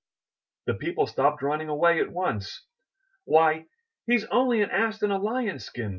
The people stopped running away at once. '*Why! he's only an ass in a. Lion's skin!'